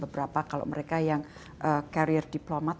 beberapa kalau mereka yang karir diplomat